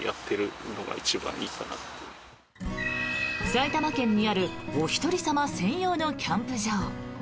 埼玉県にあるお一人様専用のキャンプ場。